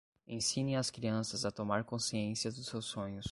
Ensinem as crianças a tomar consciência dos seus sonhos.